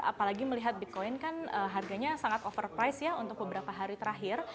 apalagi melihat bitcoin kan harganya sangat overprise ya untuk beberapa hari terakhir